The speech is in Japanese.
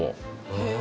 へえ。